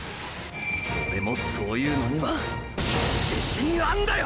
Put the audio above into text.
オレもそういうのには自信あんだよ！！